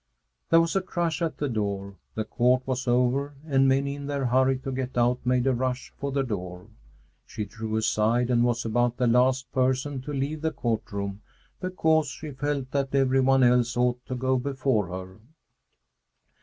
There was a crush at the door. The court was over and many in their hurry to get out made a rush for the door. She drew aside and was about the last person to leave the court room because she felt that every one else ought to go before her.